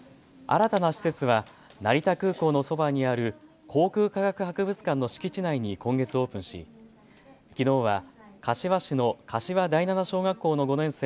新たな施設は成田空港のそばにある航空科学博物館の敷地内に今月オープンしきのうは柏市の柏第七小学校の５年生